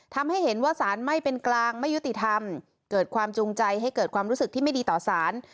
ทำให้เห็นว่าสารไม่เป็นกลางไม่ยุติธรรมเกิดความจูงใจให้เกิดความรู้สึกที่ไม่ดีต่อสาร